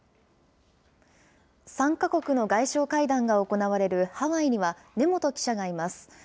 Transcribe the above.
３か国の外相会談が行われるハワイには根本記者がいます。